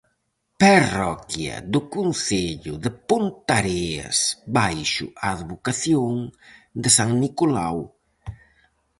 Parroquia do concello de Ponteareas baixo a advocación de san Nicolao.